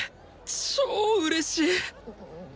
超うれしい！